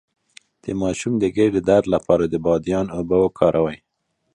د ماشوم د ګیډې درد لپاره د بادیان اوبه وکاروئ